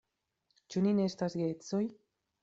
Ĉu ni ne estas geedzoj?